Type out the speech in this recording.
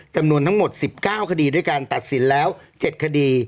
จำนวนทั้งหมด๑๙คดีด้วยการตัดสินแล้ว๗คดี